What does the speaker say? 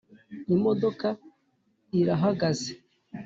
imodoka irahagaze.